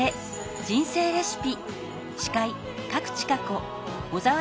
人生レシピ」